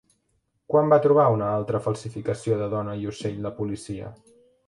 Quan va trobar una altra falsificació de dona i ocell la policia?